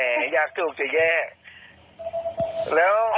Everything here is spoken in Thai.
ก็อาจารย์กำลังบินที่๗๒๖แต่ข้างหน้ามันไม่ถูก